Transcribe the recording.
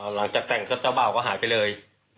หลังจากแต่งก็เจ้าบ่าวก็หายไปเลย